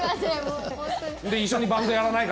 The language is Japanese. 一緒にバンドやらないか？